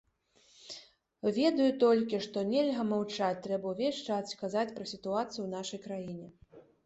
Ведаю толькі, што нельга маўчаць, трэба ўвесь час казаць пра сітуацыю ў нашай краіне.